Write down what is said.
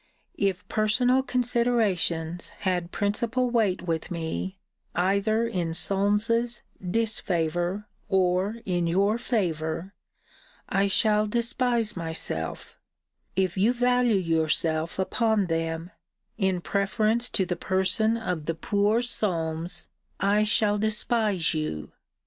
If personal considerations had principal weight with me, either in Solmes's disfavour, or in your favour, I shall despise myself: if you value yourself upon them, in preference to the person of the poor Solmes, I shall despise you!